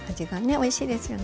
おいしいですよね。